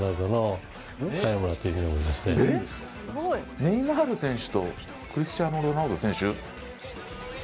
ネイマール選手とクリスチアーノ・ロナウド選手？